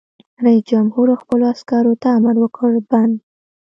رئیس جمهور خپلو عسکرو ته امر وکړ؛ بند!